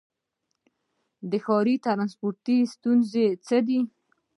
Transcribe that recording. د ښاري ټرانسپورټ ستونزې څه دي؟